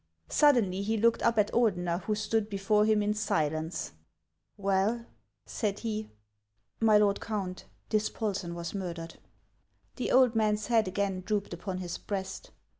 Suddenly he looked up at Ordeuer, who stood before him in silence. " Well ?" said he. " My lord Count, Dispolsen was murdered." The old man's head again drooped upon his breast.